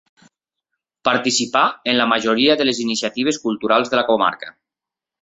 Participà en la majoria de les iniciatives culturals de la comarca.